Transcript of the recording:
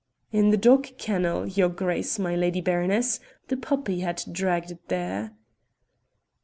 "In the dog kennel, your grace, my lady baroness, the puppy had dragged it there."